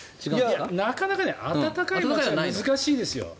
なかなか暖かい街は難しいですよ。